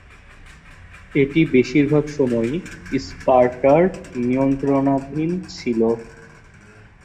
এটি বেশিরভাগ সময়ই স্পার্টার নিয়ন্ত্রণাধীন ছিল।